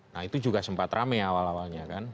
nah itu juga sempat rame awal awalnya kan